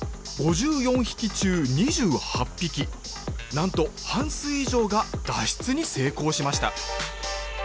なんと半数以上が脱出に成功しました。